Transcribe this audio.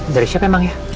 dari siapa emang ya